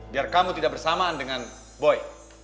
biar kamu tidak bersamaan dengan boy